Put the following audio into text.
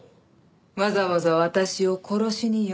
わざわざ私を殺しによ。